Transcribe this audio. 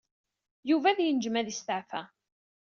Yuba ad ynejjem ad yesteɛfa.